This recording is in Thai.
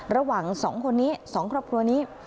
ระหว่างสองคนนี้สองครอบครัวนี้